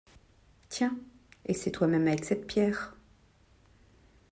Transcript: Tiens! essaie toi-même avec cette pierre.